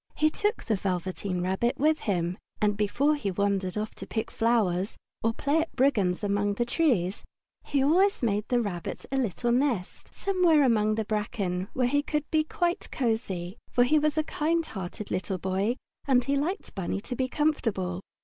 He took the Velveteen Rabbit with him, and before he wandered off to pick flowers, or play at brigands among the trees, he always made the Rabbit a little nest somewhere among the bracken, where he would be quite cosy, for he was a kind hearted little boy and he liked Bunny to be comfortable.